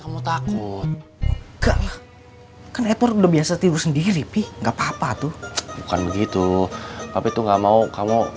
kamu takut kan etor udah biasa tidur sendiri pih nggak papa tuh bukan begitu tapi tuh nggak mau kamu